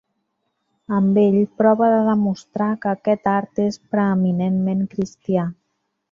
Amb ell prova de demostrar que aquest art és preeminentment cristià.